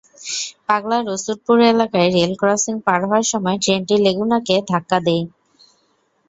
পাগলা রসুলপুর এলাকায় রেলক্রসিং পার হওয়ার সময় ট্রেনটি লেগুনাকে ধাক্কা দেয়।